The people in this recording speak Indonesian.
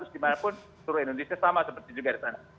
dimanapun seluruh indonesia sama seperti juga di sana